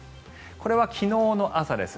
これは昨日の朝です。